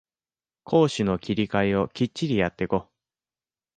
攻守の切り替えをきっちりやってこ